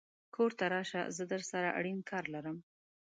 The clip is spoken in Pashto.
کور ته راشه زه درسره اړين کار لرم